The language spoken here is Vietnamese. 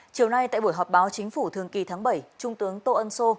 chiều nay tại buổi họp báo chính phủ thường kỳ tháng bảy trung tướng tô ân sô